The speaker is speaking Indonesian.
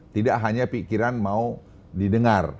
tidak hanya pikiran mau didengar